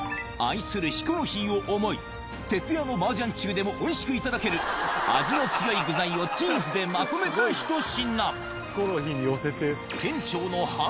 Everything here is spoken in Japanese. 愛するヒコロヒーを思い、徹夜の麻雀中でもおいしく頂ける、味の強い具材をチーズでまとめた一品。